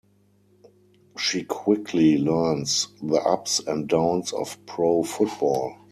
She quickly learns the ups and downs of pro football.